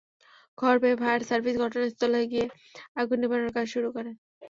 খবর পেয়ে fire service ঘটনাস্থলে গিয়ে আগুন নেভানোর কাজ শুরু করে।